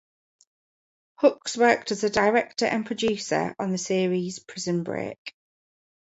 Hooks worked as a director and producer on the series "Prison Break".